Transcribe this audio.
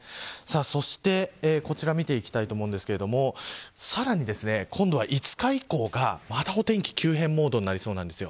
そして、こちら見ていきたいと思うんですがさらに今度は５日以降がまたお天気が急変モードになりそうなんです。